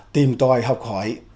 tìm tòi học hỏi